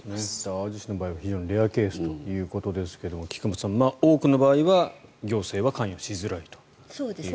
淡路島の場合は非常にレアケースだということですが菊間さん、多くの場合は行政は管理しづらいということです。